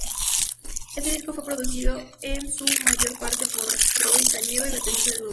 Este disco fue producido en su mayor parte por Roy Cañedo, baterista del grupo.